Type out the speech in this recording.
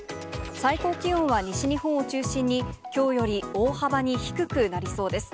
最高気温は西日本を中心にきょうより大幅に低くなりそうです。